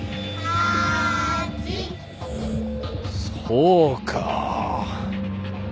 そうか！